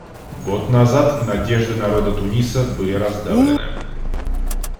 Год назад надежды народа Туниса были раздавлены.